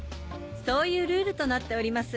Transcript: そういうルールとなっております。